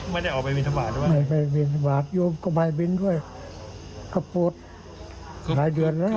ไม่ได้ออกไปบินทะวันอยู่บนกระบายบินด้วยกระโปรดหลายเดือนแล้ว